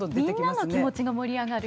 みんなの気持ちが盛り上がる。